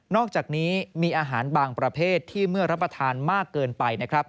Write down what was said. อกจากนี้มีอาหารบางประเภทที่เมื่อรับประทานมากเกินไปนะครับ